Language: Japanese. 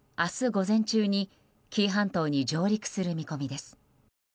午前中に紀伊半島に上陸する見込みです。